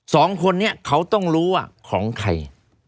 สองคนนี้เขาต้องรู้ว่าของใคร